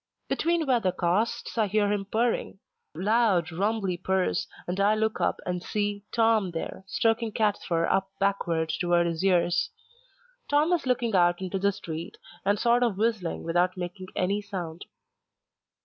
Between weathercasts I hear him purring, loud rumbly purrs, and I look up and see Tom there, stroking Cat's fur up backward toward his ears. Tom is looking out into the street and sort of whistling without making any sound.